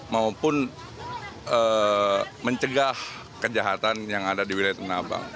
maupun mencegah kejahatan yang ada di wilayah tanah abang